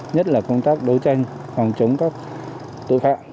nhất là công tác đấu tranh phòng chống các tội phạm